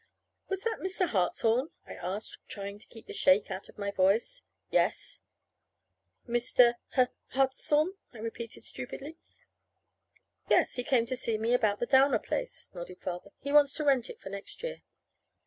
"Was that Mr. Hartshorn?" I asked, trying to keep the shake out of my voice. "Yes." "Mr. H Hartshorn," I repeated stupidly. "Yes. He came to see me about the Downer place," nodded Father. "He wants to rent it for next year."